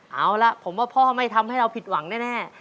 เอาล่ะผมว่าพ่อไม่ทำให้เราผิดหวังแน่